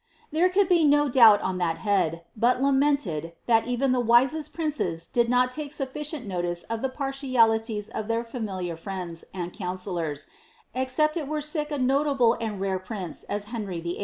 ' there could be BO doubt on that head, but lamented, that even the wisest princes did not take sudicieni notice of the partialities of their tamiliar friends and coun cillora, except it were sic a notable and rare prince as Henry VIII.